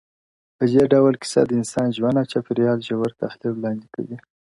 په دې ډول کيسه د انسان ژوند او چاپېريال ژور تحليل وړلاندي کوي،